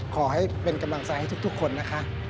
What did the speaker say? ขอให้เป็นกำลังใจให้ทุกคนนะคะ